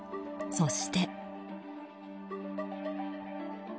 そして。